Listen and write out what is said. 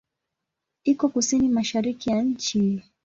Iko kusini-mashariki ya nchi.